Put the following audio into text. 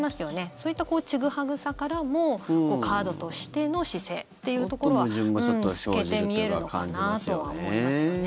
そういったちぐはぐさからもカードとしての姿勢というところは透けて見えるのかなとは思いますよね。